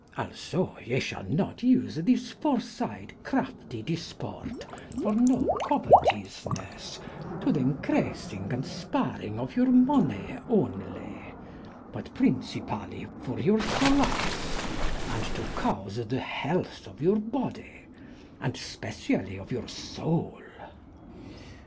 Also ye shall not vse this forsayd crafty dysporte for no covety senes to thencreasynge & sparynge of your money oonly, but pryncypally for your solace & to cause the helthe of your body, and specyally of your soule.